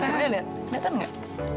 coba ya liat keliatan gak